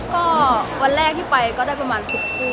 ก็วันแรกที่ไปก็ได้ประมาณ๖คู่